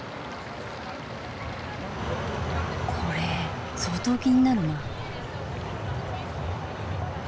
これ相当気になるな。